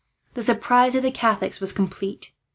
The surprise of the Catholics was complete.